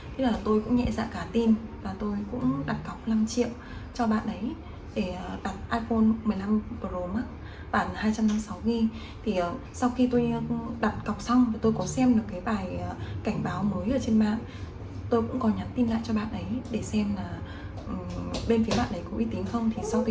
tôi cũng nhẹ dạng cả tin